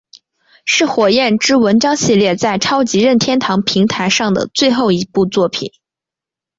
是火焰之纹章系列在超级任天堂平台上的最后一部作品。